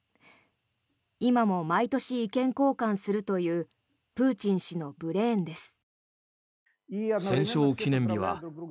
今も毎年、意見交換するというプーチン氏のブレーンです。